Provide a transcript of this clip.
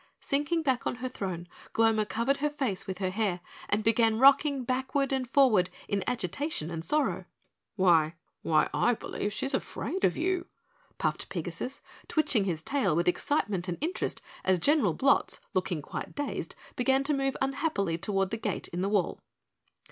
Sinking back on her throne, Gloma covered her face with her hair and began rocking backward and forward in agitation and sorrow. "Why, why I believe she's afraid of you!" puffed Pigasus, twitching his tail with excitement and interest as General Blotz, looking quite dazed, began to move unhappily toward the gate in the wall.